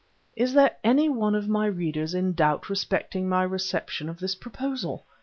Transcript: Is there any one of my readers in doubt respecting my reception of this proposal?